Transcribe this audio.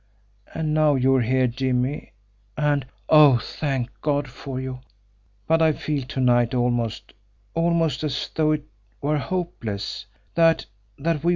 And now you are here, Jimmie and, oh, thank God for you! but I feel to night almost almost as though it were hopeless, that that we were beaten."